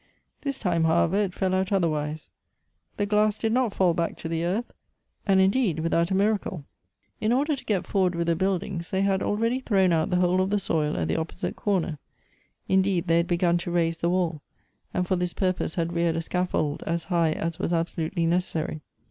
This time, however, it fell out otherwise. The glass did not fall back to the earth and indeed without a miracle. In order to get forward with the buildings, they had already thrown out the whole of the soil at the opposite comer ; indeed, they had begun to raise the wall, and for this purpose had reared a scafibld as high as was absolutely necessary.